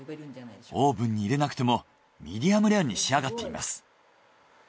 オーブンに入れなくてもミディアムレアに仕上がっています。